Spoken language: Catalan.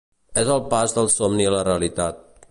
És el pas del somni a la realitat.